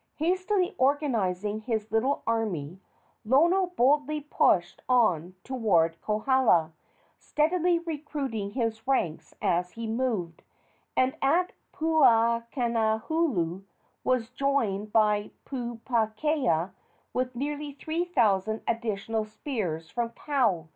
Hastily organizing his little army, Lono boldly pushed on toward Kohala, steadily recruiting his ranks as he moved, and at Puuanahulu was joined by Pupuakea with nearly three thousand additional spears from Kau.